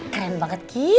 keren banget kiki